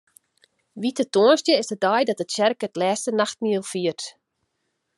Wite Tongersdei is de dei dat de tsjerke it Lêste Nachtmiel fiert.